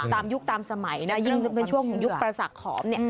ตามยุคตามสมัยยิ่งช่วงยุคปรศักดิ์ขอบ